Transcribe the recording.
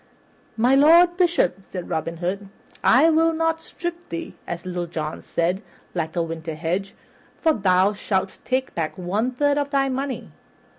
"My Lord Bishop," said Robin Hood, "I will not strip thee, as Little John said, like a winter hedge, for thou shalt take back one third of thy money.